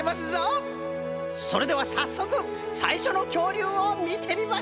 それではさっそくさいしょのきょうりゅうをみてみましょう！